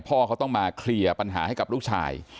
พ่อเขาต้องมาเคลียร์ปัญหาให้กับลูกชาย